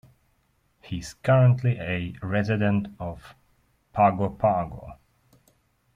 He is currently a resident of Pago Pago.